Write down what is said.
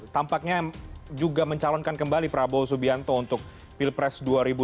tampaknya juga mencalonkan kembali prabowo subianto untuk pilpres dua ribu dua puluh